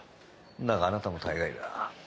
だがあなたも大概だ。